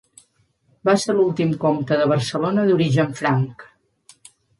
Va ser l'últim comte de Barcelona d'origen franc.